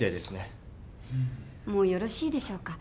もうよろしいでしょうか？